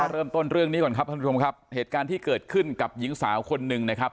เริ่มต้นเรื่องนี้ก่อนครับท่านผู้ชมครับเหตุการณ์ที่เกิดขึ้นกับหญิงสาวคนหนึ่งนะครับ